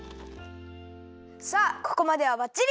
さあここまではバッチリ！